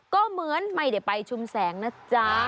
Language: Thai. ก็เหมือนไม่ได้ไปชุมแสงนะจ๊ะ